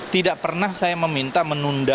tidak pernah saya meminta menunda